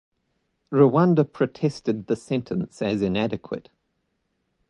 Rwanda protested the sentence as inadequate.